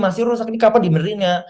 masih rusak ini kapan diberinnya